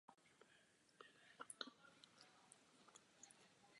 Naopak Chorvat poté svou první příležitost na ukončení sady využil.